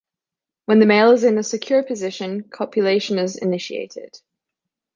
When the male is in a secure position, copulation is initiated.